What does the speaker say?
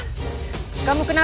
seda kamu kenapa